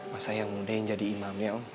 masa yang muda yang jadi imam ya om